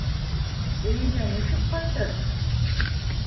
Өйөнә нисек ҡайтыр?!